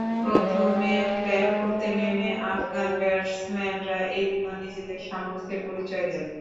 প্রথমে ব্যাট করতে নেমে আফগান ব্যাটসম্যানরা এদিনও নিজেদের সামর্থ্যের পরিচয় দেন।